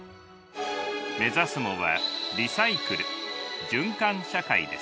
目指すのはリサイクル「循環社会」です。